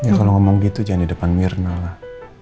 ya kalau ngomong gitu jangan di depan mirna lah